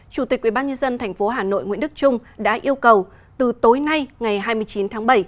chủ tịch ubnd tp hà nội nguyễn đức trung đã yêu cầu từ tối nay ngày hai mươi chín tháng bảy